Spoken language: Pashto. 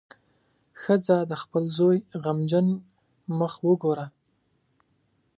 ښځه د خپل زوی غمجن مخ وګوره.